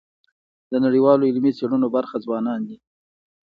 د نړیوالو علمي څيړنو برخه ځوانان دي.